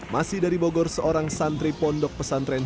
masih dari bogor seorang santri pondok pesantren